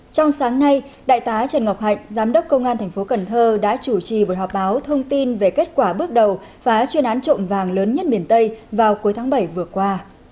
trong sáng nay đại tá trần ngọc hạnh giám đốc công an thành phố cần thơ đã chủ trì buổi họp báo thông tin về kết quả bước đầu phá chuyên án trộm vàng lớn nhất miền tây vào cuối tháng bảy vừa qua